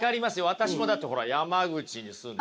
私もだってほら山口に住んでますから。